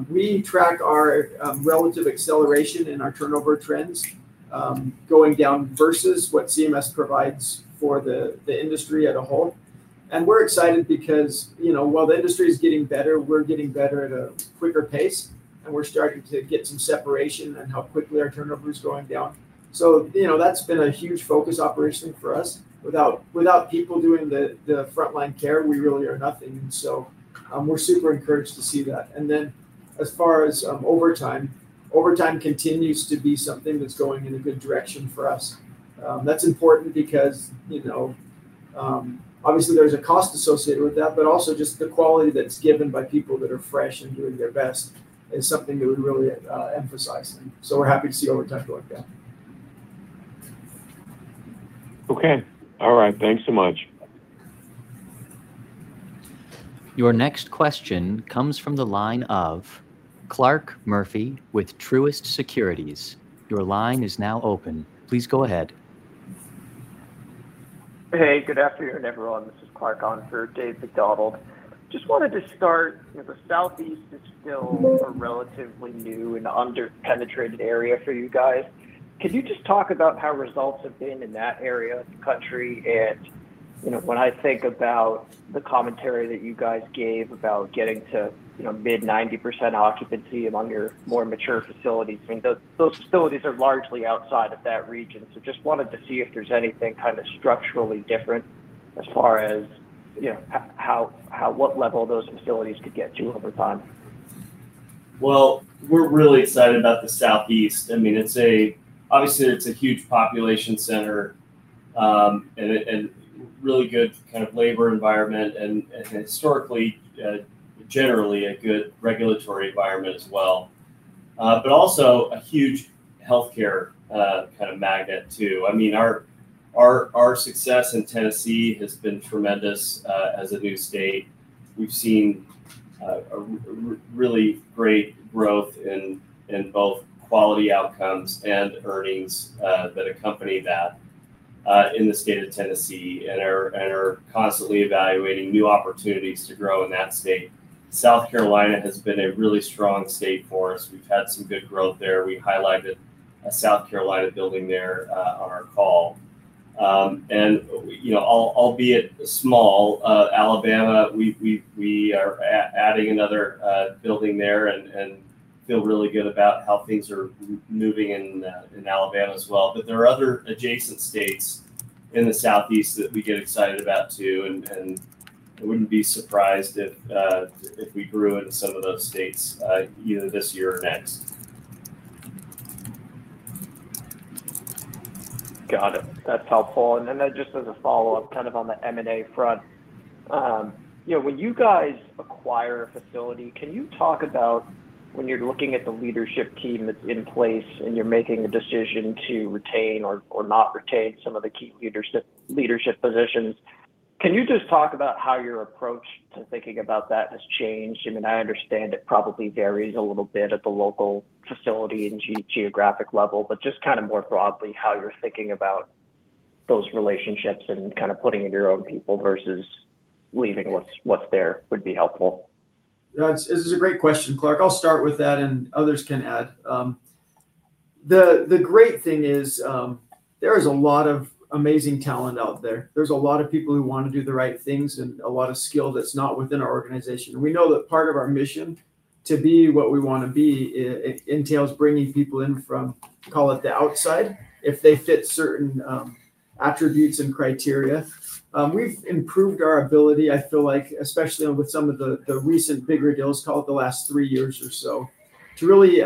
We track our relative acceleration in our turnover trends, going down versus what CMS provides for the industry as a whole. We're excited because, while the industry's getting better, we're getting better at a quicker pace, and we're starting to get some separation on how quickly our turnover is going down. That's been a huge focus operationally for us. Without people doing the frontline care, we really are nothing. We're super encouraged to see that. As far as overtime continues to be something that's going in a good direction for us. That's important because, obviously there's a cost associated with that, but also just the quality that's given by people that are fresh and doing their best is something that we're really emphasizing. We're happy to see overtime go down. Okay. All right. Thanks so much. Your next question comes from the line of Clarke Murphy with Truist Securities. Your line is now open. Please go ahead. Hey, good afternoon, everyone. This is Clark on for David MacDonald. Just wanted to start, the Southeast is still a relatively new and under-penetrated area for you guys. Could you just talk about how results have been in that area of the country and, when I think about the commentary that you guys gave about getting to mid-90% occupancy among your more mature facilities, those facilities are largely outside of that region. Just wanted to see if there's anything kind of structurally different as far as what level those facilities could get to over time. Well, we're really excited about the Southeast. Obviously, it's a huge population center A really good kind of labor environment and historically, generally a good regulatory environment as well. Also a huge healthcare kind of magnet too. Our success in Tennessee has been tremendous as a new state. We've seen really great growth in both quality outcomes and earnings that accompany that in the state of Tennessee and are constantly evaluating new opportunities to grow in that state. South Carolina has been a really strong state for us. We've had some good growth there. We highlighted a South Carolina building there on our call. Albeit small, Alabama, we are adding another building there and feel really good about how things are moving in Alabama as well. There are other adjacent states in the southeast that we get excited about too, and I wouldn't be surprised if we grew into some of those states either this year or next. Got it. That's helpful. Then just as a follow-up kind of on the M&A front. When you guys acquire a facility, can you talk about when you're looking at the leadership team that's in place and you're making a decision to retain or not retain some of the key leadership positions, can you just talk about how your approach to thinking about that has changed? I understand it probably varies a little bit at the local facility and geographic level, but just kind of more broadly how you're thinking about those relationships and kind of putting in your own people versus leaving what's there would be helpful. Yeah, this is a great question, Clarke. I'll start with that others can add. The great thing is, there is a lot of amazing talent out there. There's a lot of people who want to do the right things and a lot of skill that's not within our organization. We know that part of our mission to be what we want to be entails bringing people in from, call it the outside, if they fit certain attributes and criteria. We've improved our ability, I feel like, especially with some of the recent bigger deals, call it the last three years or so, to really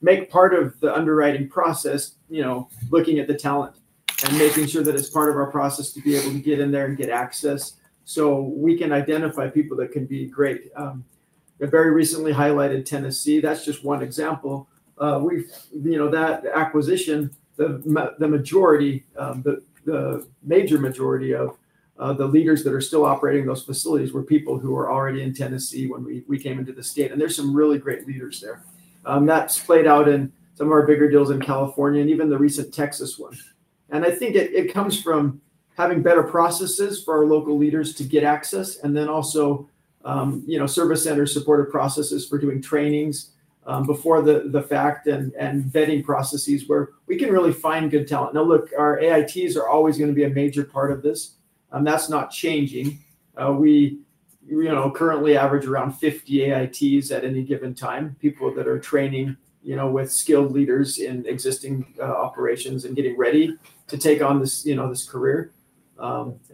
make part of the underwriting process looking at the talent and making sure that it's part of our process to be able to get in there and get access so we can identify people that can be great. I very recently highlighted Tennessee. That's just one example. That acquisition, the major majority of the leaders that are still operating those facilities were people who were already in Tennessee when we came into the state, there's some really great leaders there. That's played out in some of our bigger deals in California and even the recent Texas one. I think it comes from having better processes for our local leaders to get access and then also service center supportive processes for doing trainings before the fact and vetting processes where we can really find good talent. Now look, our AITs are always going to be a major part of this, that's not changing. We currently average around 50 AITs at any given time. People that are training with skilled leaders in existing operations and getting ready to take on this career.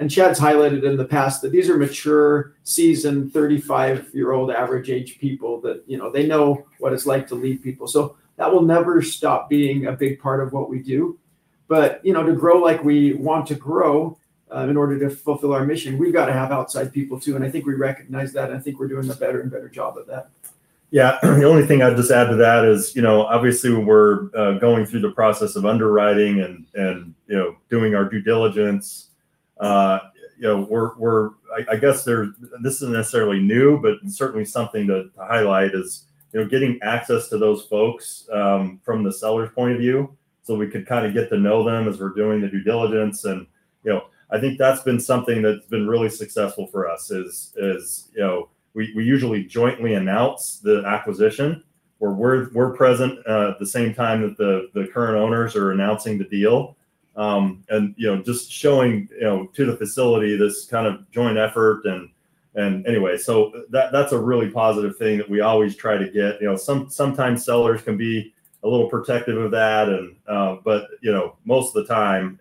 Chad's highlighted in the past that these are mature, seasoned, 35-year-old average age people that they know what it's like to lead people. That will never stop being a big part of what we do. To grow like we want to grow in order to fulfill our mission, we've got to have outside people too, and I think we recognize that, and I think we're doing a better and better job at that. The only thing I'd just add to that is, obviously we're going through the process of underwriting and doing our due diligence. I guess this isn't necessarily new, but certainly something to highlight is getting access to those folks from the seller's point of view so we could kind of get to know them as we're doing the due diligence. I think that's been something that's been really successful for us is we usually jointly announce the acquisition or we're present at the same time that the current owners are announcing the deal. Just showing to the facility this kind of joint effort and anyway. That's a really positive thing that we always try to get. Sometimes sellers can be a little protective of that, but most of the time,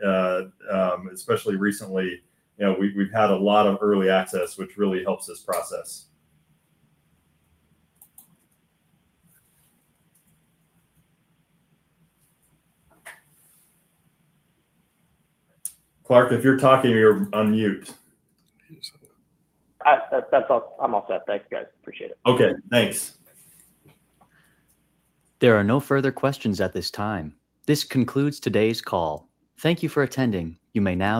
especially recently, we've had a lot of early access, which really helps this process. Clarke, if you're talking, you're on mute. That's all. I'm all set. Thank you, guys. Appreciate it. Okay, thanks. There are no further questions at this time. This concludes today's call. Thank you for attending. You may now-